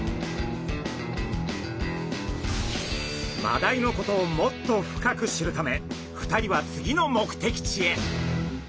マダイのことをもっと深く知るため２人は次の目的地へ。